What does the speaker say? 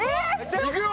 いくよ！